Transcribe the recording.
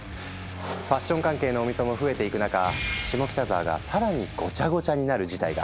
ファッション関係のお店も増えていく中下北沢が更にごちゃごちゃになる事態が。